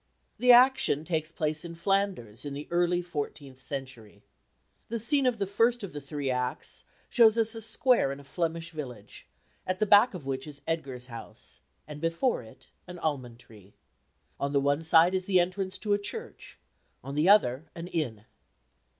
The action takes place in Flanders in the early fourteenth century. The scene of the first of the three acts shows us a square in a Flemish village, at the back of which is Edgar's house, and before it an almond tree. On the one side is the entrance to a church, on the other an inn.